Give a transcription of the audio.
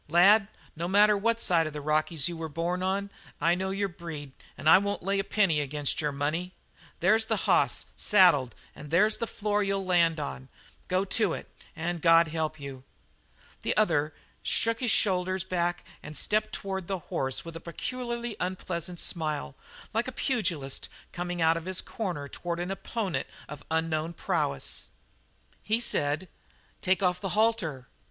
Lad, no matter on what side of the Rockies you were born, I know your breed and I won't lay a penny against your money. There's the hoss saddled and there's the floor you'll land on. Go to it and God help you!" The other shook his shoulders back and stepped toward the horse with a peculiarly unpleasant smile, like a pugilist coming out of his corner toward an opponent of unknown prowess. He said: "Take off the halter."